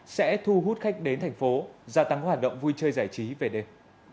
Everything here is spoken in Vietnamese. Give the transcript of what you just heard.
sẽ thu hút khách đến thành phố gia tăng hoạt động vui chơi giải trí về đêm